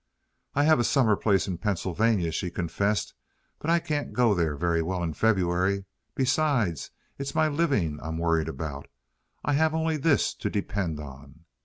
"I have a summer place in Pennsylvania," she confessed; "but I can't go there very well in February. Besides, it's my living I'm worrying about. I have only this to depend on."